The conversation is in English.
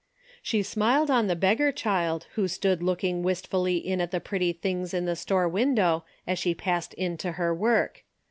She smiled on the beggar child who stood looking wist fully in at the pretty things, in the store win dow as she passed in to her work.